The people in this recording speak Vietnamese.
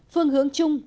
phương hướng chung